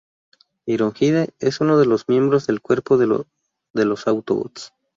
Ironhide, es uno de los miembros del cuerpo de los Autobots.